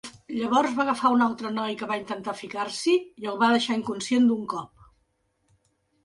Llavors va agafar un altre noi que va intentar ficar-s'hi i el va deixar inconscient d'un cop.